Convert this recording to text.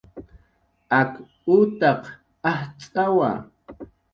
Ak utaq ajtz'awa